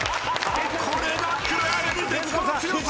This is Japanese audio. これが黒柳徹子の強さ！